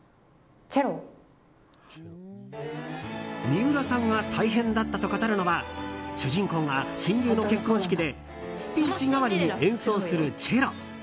三浦さんが大変だったと語るのは主人公が親友の結婚式でスピーチ代わりに演奏するチェロ。